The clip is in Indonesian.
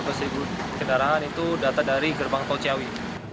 dua ratus ribu kendaraan itu data dari gerbang tol ciawi